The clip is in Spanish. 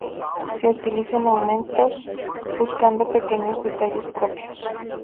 Se utilizan aumentos buscando pequeños detalles propios.